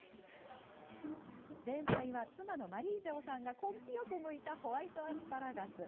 前菜は妻のマリージョーさんが根気よくむいたホワイトアスパラガス。